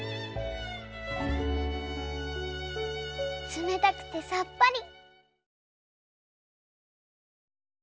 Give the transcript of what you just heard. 冷たくてさっぱり。